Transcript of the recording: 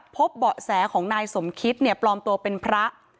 เบาะแสของนายสมคิตเนี่ยปลอมตัวเป็นพระ